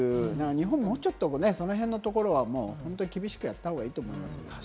日本はもうちょっとね、その辺のところは厳しくやった方がいいと思いますよ。